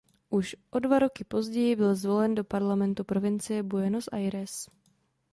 Už o dva roky později byl zvolen do parlamentu provincie Buenos Aires.